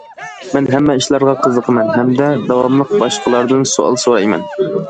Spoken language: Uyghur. مەن ھەممە ئىشلارغا قىزىقىمەن، ھەمدە داۋاملىق باشقىلاردىن سوئال سورايمەن.